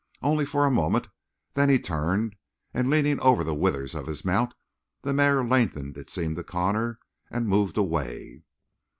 Only for a moment; then he turned, and, leaning over the withers of his mount, the mare lengthened, it seemed to Connor, and moved away.